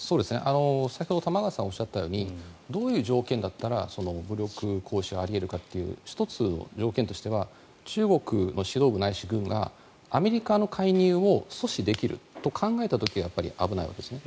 先ほど玉川さんがおっしゃったようにどういう条件だったら武力行使があり得るかという１つの条件としては中国の指導部ないし軍がアメリカの介入を阻止できると考えた時がやっぱり危ないわけですね。